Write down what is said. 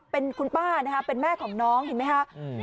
เป็นคุณป้านะคะเป็นแม่ของน้องเห็นไหมคะ